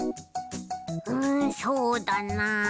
うんそうだなあ？